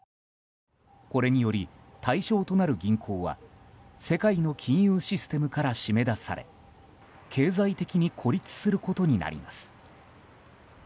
これにより対象となる銀行は世界の金融システムから締め出され経済的に孤立することになります。